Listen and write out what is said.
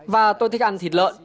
và tôi thích ăn thịt lợn